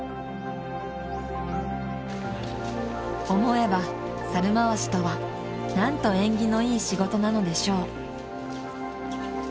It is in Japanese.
［思えば猿回しとは何と縁起のいい仕事なのでしょう］